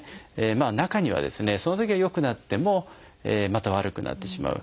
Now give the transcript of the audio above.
中にはそのときは良くなってもまた悪くなってしまう。